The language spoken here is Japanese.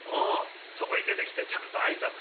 そこへ出てきてちゃんと挨拶してんだよ」。